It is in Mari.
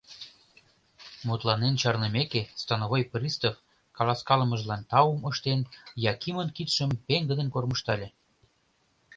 Мутланен чарнымеке, становой пристав, каласкалымыжлан таум ыштен, Якимын кидшым пеҥгыдын кормыжтале.